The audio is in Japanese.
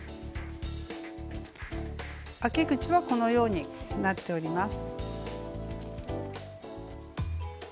あき口はこのようになっております。